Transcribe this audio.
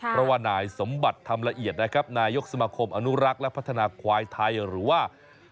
เพราะว่านายสมบัติธรรมละเอียดนะครับนายกสมาคมอนุรักษ์และพัฒนาควายไทยหรือว่า